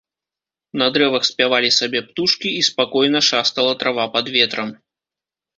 На дрэвах спявалі сабе птушкі, і спакойна шастала трава пад ветрам.